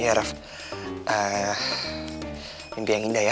ya raff mimpi yang indah ya